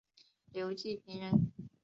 刘季平人。